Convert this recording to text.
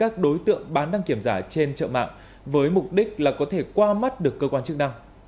các đối tượng bán đăng kiểm giả trên trợ mạng với mục đích là có thể qua mắt được cơ quan chức năng